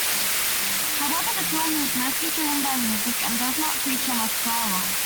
However, the film is mostly driven by music, and does not feature much dialogue.